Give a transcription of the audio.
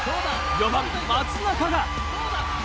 ４番松中が。